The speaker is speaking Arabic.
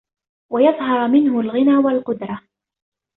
وَيَظْهَرَ مِنْهُ الْغِنَى وَالْقُدْرَةُ